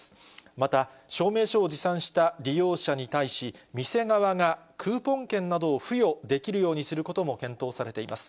また証明書を持参した利用者に対し、店側がクーポン券などを付与できるようにすることも検討されています。